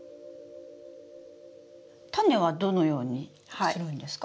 タネはどのようにするんですか？